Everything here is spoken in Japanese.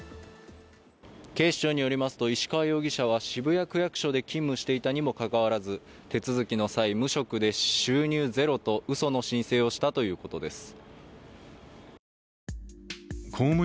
警視庁によりますと石川容疑者は渋谷区役所で勤務していたにもかかわらず、手続きの際、無職で収入ゼロといううその申請をしたということです。